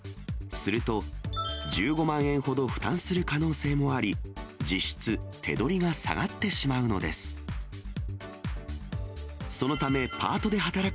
すると、１５万円ほど負担する可能性もあり、実質手取りが下がってしまうのです。